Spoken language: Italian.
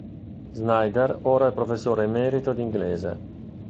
Snyder ora è professore emerito di inglese.